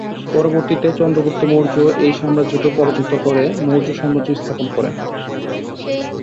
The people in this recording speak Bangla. পরবর্তীতে চন্দ্রগুপ্ত মৌর্য্য এই সাম্রাজ্যকে পরাজিত করে মৌর্য্য সাম্রাজ্য স্থাপন করে।